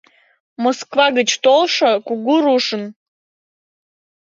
Москва гыч толшо кугу рушым.